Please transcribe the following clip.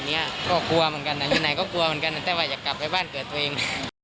อีกไหนก็กลัวเหมือนกันแต่ว่าอยากกลับไปบ้านเกือบตัวเอง